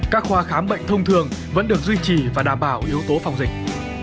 các khoa khám bệnh thông thường vẫn được duy trì và đảm bảo yếu tố phòng dịch